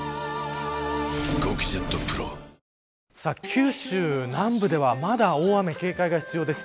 九州南部ではまだ大雨、警戒が必要です。